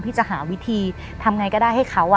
ที่จะหาวิธีทำไงก็ได้ให้เขา